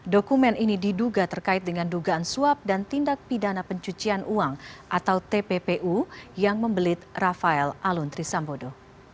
dokumen ini diduga terkait dengan dugaan suap dan tindak pidana pencucian uang atau tppu yang membelit rafael aluntri sambodo